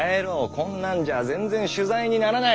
こんなんじゃあ全然取材にならない。